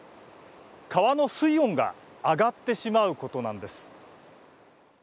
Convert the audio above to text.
川の水温が上がってしまうことなんです。